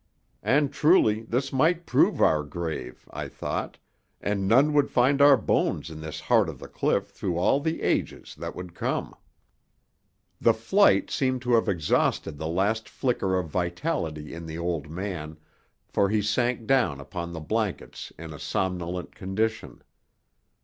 And truly this might prove our grave, I thought, and none would find our bones in this heart of the cliff through all the ages that would come. The flight seemed to have exhausted the last flicker of vitality in the old man, for he sank down upon the blankets in a somnolent condition.